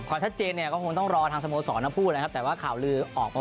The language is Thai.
ก็ผมต้องรอทางสโมสรนะครับแต่ว่าข่าวลือออก